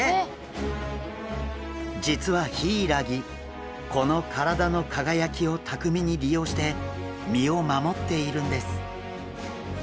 実はヒイラギこの体の輝きを巧みに利用して身を守っているんです。